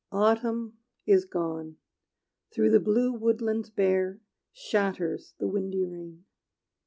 Autumn is gone: through the blue woodlands bare Shatters the windy rain.